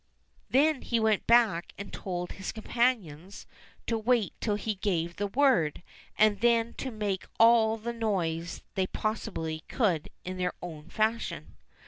Then he went back and told his companions to wait till he gave the word, and then to make all the noise they possibly could in their own fashion.